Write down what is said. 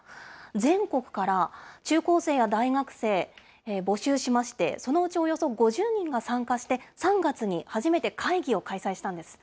全国から中高生や大学生、募集しまして、そのうちおよそ５０人が参加して、３月に初めて会議を開催したんです。